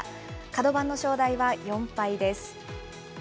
角番の正代は４敗です。